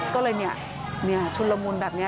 ก็เลยชุนละมุนแบบนี้